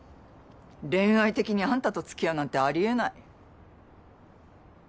恋愛的にあんたとつきあうなんてありえない。